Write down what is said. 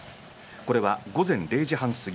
これは午前０時半すぎ